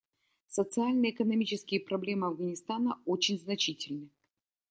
Социально-экономические проблемы Афганистана очень значительны.